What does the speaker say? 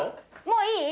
もういい？